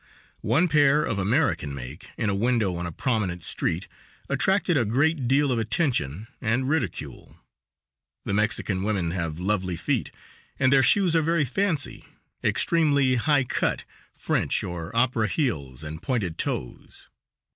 One pair of American make, in a window on a prominent street, attracted a great deal of attention and ridicule. The Mexican women have lovely feet, and their shoes are very fancy extremely high cut, French or opera heels and pointed toes.